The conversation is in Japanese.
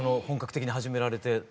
本格的に始められて。